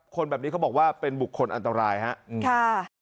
คนแบบนี้เขาบอกว่าเป็นบุคคลอันตรายครับ